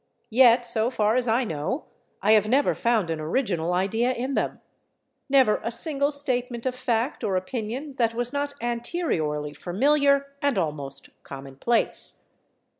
Yet, so far as I know, I have never found an original idea in them—never a single statement of fact or opinion that was not anteriorly familiar, and almost commonplace.